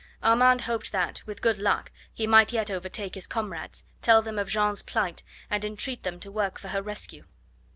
Armand hoped that, with good luck, he might yet overtake his comrades, tell them of Jeanne's plight, and entreat them to work for her rescue.